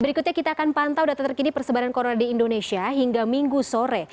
berikutnya kita akan pantau data terkini persebaran corona di indonesia hingga minggu sore